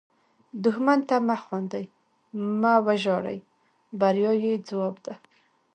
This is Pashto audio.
دښمن ته مه خاندئ، مه وژاړئ – بریا یې ځواب ده